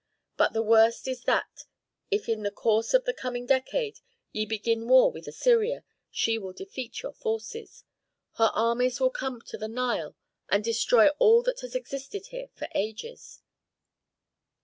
But the worst is that if in the course of the coming decade ye begin war with Assyria, she will defeat your forces. Her armies will come to the Nile and destroy all that has existed here for ages.